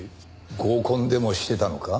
合コンでもしてたのか？